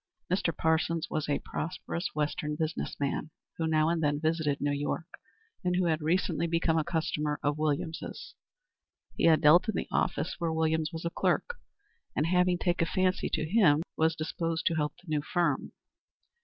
Mr. Parsons was a prosperous Western business man, who now and then visited New York, and who had recently become a customer of Williams's. He had dealt in the office where Williams was a clerk, and, having taken a fancy to him, was disposed to help the new firm.